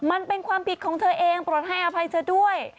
มันเป็นความผิดของเธอเองโปรดให้อภัยเธอด้วย